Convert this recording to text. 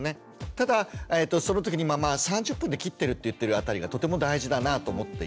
ただその時に３０分で切ってるって言ってる辺りがとても大事だなと思っていて。